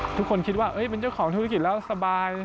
ทุกคนคิดว่าเป็นเจ้าของธุรกิจแล้วสบาย